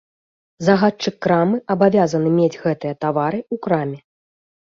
Загадчык крамы абавязаны мець гэтыя тавары ў краме.